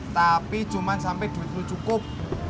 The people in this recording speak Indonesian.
tapi cuma sampai duit dulu cukup